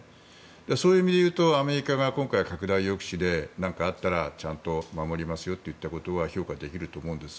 そういう意味でいうとアメリカが今回拡大抑止で何かあったらちゃんと守りますよと言ったことは評価できると思うんです。